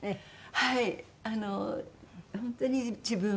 はい。